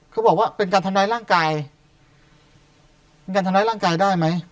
เขาบอกว่าเป็นการทำร้ายร่างกายเป็นการทำร้ายร่างกายได้ไหม